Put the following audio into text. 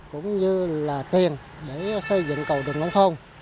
cũng như là tiền để xây dựng cầu đường nông thôn